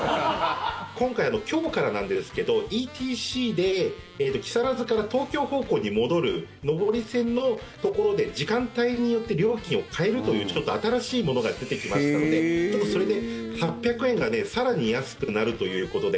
今回今日からなんですけどＥＴＣで木更津から東京方向に戻る上り線のところで時間帯によって料金を変えるというちょっと新しいものが出てきましたのでそれで８００円が更に安くなるということで。